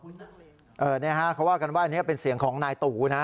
นี่ฮะเขาว่ากันว่าอันนี้เป็นเสียงของนายตู่นะ